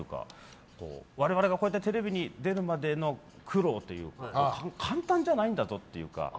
我々がこうやってテレビに出るまでの苦労というか簡単じゃないんだぞというか。